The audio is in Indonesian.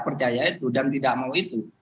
percaya itu dan tidak mau itu